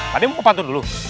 pade mau pantun dulu